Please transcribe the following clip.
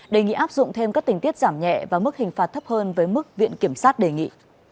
đề nghị áp dụng thêm các tình tiết giảm nhẹ và mức hình phạt thấp hơn với mức viện kiểm sát đề nghị